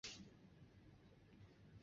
崇越隼鹰队为台湾业余棒球队伍之一。